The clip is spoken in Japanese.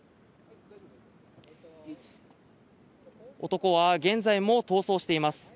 男は現在も逃走しています。